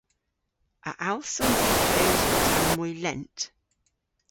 A allsons i kewsel tamm moy lent?